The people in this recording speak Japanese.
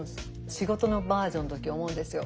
仕事のバージョンの時思うんですよ。